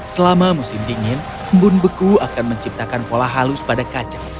selama musim dingin embun beku akan menciptakan pola halus pada kacang